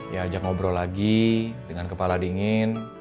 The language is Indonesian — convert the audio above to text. ya ajak ngobrol lagi dengan kepala dingin